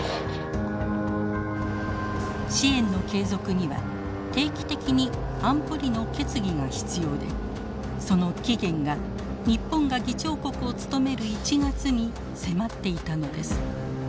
支援の継続には定期的に安保理の決議が必要でその期限が日本が議長国を務める１月に迫っていたのです。